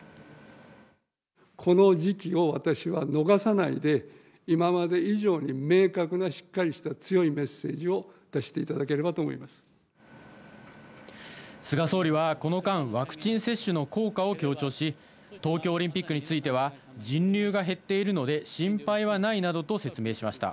この時期を私は逃さないで、今まで以上に明確なしっかりした強いメッセージを出していただけ菅総理はこの間、ワクチン接種の効果を強調し、東京オリンピックについては、人流が減っているので心配はないなどと説明しました。